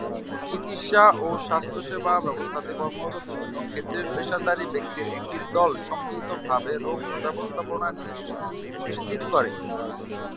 চিকিৎসা ও স্বাস্থ্যসেবা ব্যবস্থাতে কর্মরত বিভিন্ন ক্ষেত্রের পেশাদারী ব্যক্তির একটি দল সম্মিলিতভাবে রোগ ব্যবস্থাপনা নিশ্চিত করে।